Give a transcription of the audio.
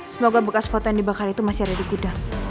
semoga bekas foto yang dibakar itu masih ada di gudang